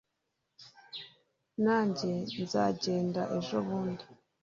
Na njye nzagenda ejobundi